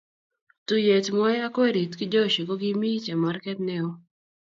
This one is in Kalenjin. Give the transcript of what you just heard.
tuiyet mwai ak werit kijoshi ko kimii chemargei ne oo